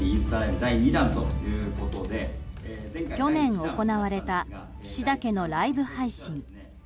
去年行われた岸田家のライブ配信。